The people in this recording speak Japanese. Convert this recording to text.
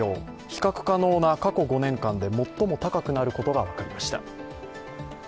比較可能な過去５年間で最も高くなることが分かりました。